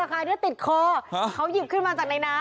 คลายด้วยติดคอเขาหยิบขึ้นมาจากในน้ำ